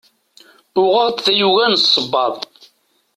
Uɣeɣ-d tayuga n ssebbaḍ.